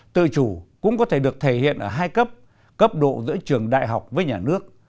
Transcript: tự chủ cũng có thể được thể hiện ở hai cấp cấp độ giữa trường đại học với nhà nước